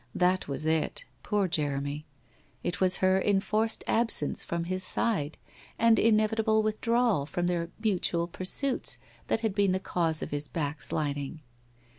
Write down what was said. That was it! Poor Jeremy! It was her enforced ab sence from his side and inevitable withdrawal from their mutual pursuits that had been the cause of his backsliding.